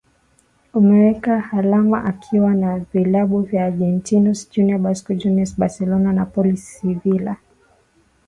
Ameweka alama akiwa na vilabu vya Argentinos Juniours Boca Juniours Barcelona Napoli Sevilla